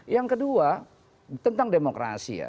yang kedua tentang demokrasi ya